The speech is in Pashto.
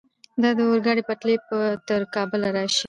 د اورګاډي پټلۍ به تر کابل راشي؟